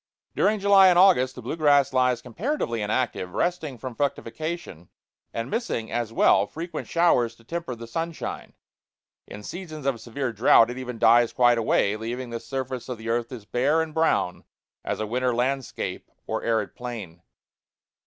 During July and August the blue grass lies comparatively inactive, resting from fructification, and missing, as well, frequent showers to temper the sunshine. In seasons of severe drought it even dies quite away, leaving the surface of the earth as bare and brown as a winter landscape or arid plain.